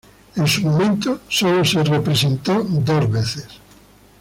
En su momento sólo se representó dos veces.